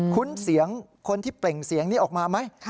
เสียงคนที่เปล่งเสียงนี้ออกมาไหม